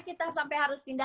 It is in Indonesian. kita selanjutnya harus pindah